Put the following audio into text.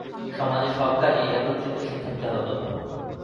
সমাজে সব কাজই একত্রিত সিদ্ধান্তে হতো।